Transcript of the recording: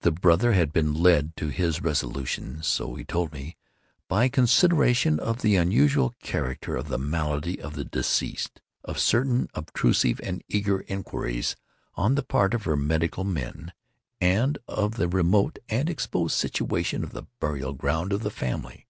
The brother had been led to his resolution (so he told me) by consideration of the unusual character of the malady of the deceased, of certain obtrusive and eager inquiries on the part of her medical men, and of the remote and exposed situation of the burial ground of the family.